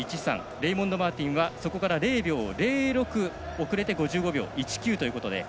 レイモンド・マーティンはそこから０秒０６遅れて５５秒１９ということで。